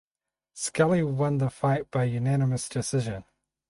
Skelly won the fight by unanimous decision.